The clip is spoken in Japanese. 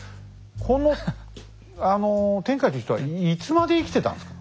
この天海という人はいつまで生きてたんですか？